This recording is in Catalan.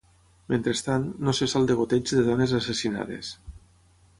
Mentrestant, no cessa el degoteig de dones assassinades.